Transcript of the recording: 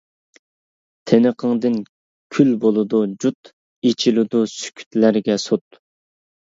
تىنىقىڭدىن كۈل بولىدۇ جۇت، ئېچىلىدۇ سۈكۈتلەرگە سوت.